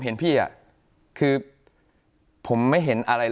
แต่ผมอยากจะบอกว่าสิ่งที่ผมเห็นพี่คือผมไม่เห็นอะไรเลย